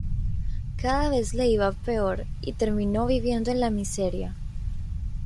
Cada vez le iba peor, y terminó viviendo en la miseria.